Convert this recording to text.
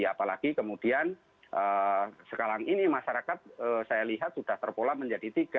apalagi kemudian sekarang ini masyarakat saya lihat sudah terpola menjadi tiga